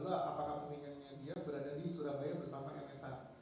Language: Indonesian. lalu apakah kepentingannya dia berada di surabaya bersama msa